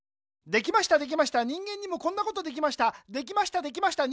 できましたできました人間にもこんなことできました。